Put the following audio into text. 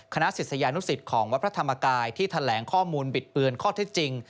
ศิษยานุสิตของวัดพระธรรมกายที่แถลงข้อมูลบิดเบือนข้อเท็จจริง